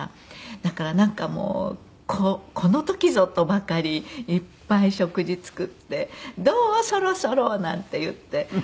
だからなんかもうこの時ぞとばかりいっぱい食事作って「どう？そろそろ」なんて言って。